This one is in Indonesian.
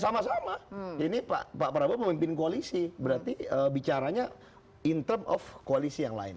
sama sama ini pak prabowo memimpin koalisi berarti bicaranya in term of koalisi yang lain